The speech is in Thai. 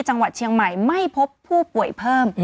จังหวัดเชียงใหม่ไม่พบผู้ป่วยเพิ่ม